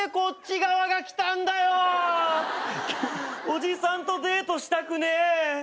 おじさんとデートしたくねえ。